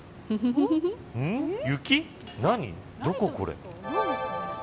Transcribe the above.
雪、何、どここれ。